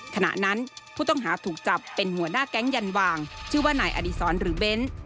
ขณะนั้นผู้ต้องหาถูกจับเป็นหัวหน้าแก๊งยันวางชื่อว่านายอดีศรหรือเบ้น